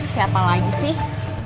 siapa lagi sih